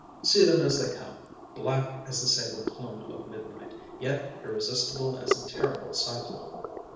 See them as they come, black as the sable plume of midnight, yet irresistible as the terrible cyclone.